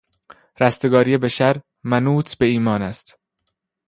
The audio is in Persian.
رستگاری بشر منوط به ایمان است.